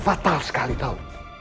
fatal sekali tau